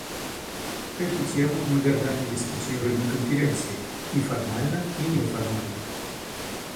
Эту тему мы годами дискутируем на Конференции − и формально, и неформально.